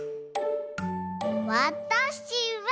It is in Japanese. わたしは。